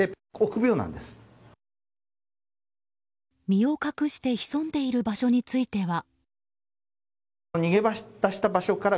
身を隠して潜んでいる場所については。